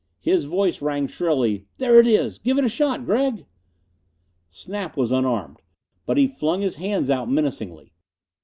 His voice rang shrilly, "There it is! Give it a shot, Gregg!" Snap was unarmed, but he flung his hands out menacingly.